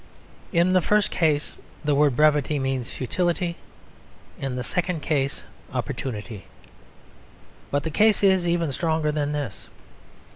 In the first case the word brevity means futility; in the second case, opportunity. But the case is even stronger than this.